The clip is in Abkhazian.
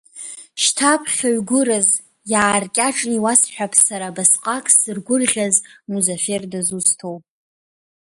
Шьҭа, аԥхьаҩ гәыраз, иааркьаҿны иуасҳәап сара абасҟак сзыргәырӷьаз Музафер дазусҭоу.